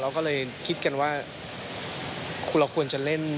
เราก็เลยคิดกันว่าเราควรจะเล่น